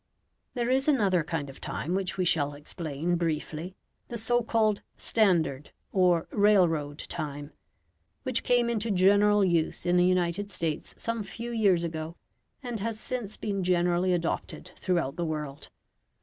There is another kind of time which we shall explain briefly the so called "standard," or railroad time, which came into general use in the United States some few years ago, and has since been generally adopted throughout the world.